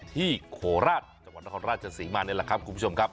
โคราชจังหวัดนครราชศรีมานี่แหละครับคุณผู้ชมครับ